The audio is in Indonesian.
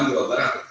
di jawa barat